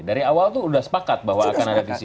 dari awal itu sudah sepakat bahwa akan ada visi visi